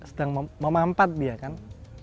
sedang memampat dia kan